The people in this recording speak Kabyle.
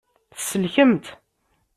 Tselkemt.